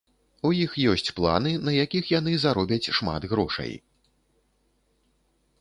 У іх ёсць планы, на якіх яны заробяць шмат грошай.